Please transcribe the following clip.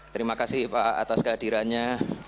terima kasih pak atas kehadirannya